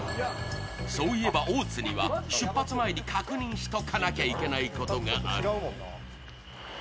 そういえば大津には出発前に確認しとかなきゃいけないことが。